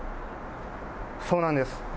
そうなんです。